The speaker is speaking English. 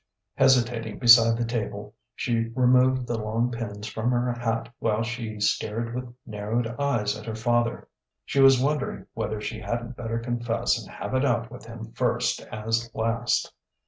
Hesitating beside the table, she removed the long pins from her hat while she stared with narrowed eyes at her father. She was wondering whether she hadn't better confess and have it out with him first as last.